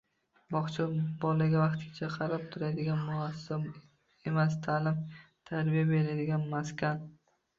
Bog‘cha bolaga vaqtincha qarab turadigan muassasa emas, ta’lim-tarbiya beradigan maskan